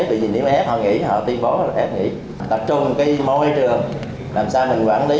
bởi vì nếu ép họ nghỉ họ tiên bố ép nghỉ tập trung cái môi trường làm sao mình quản lý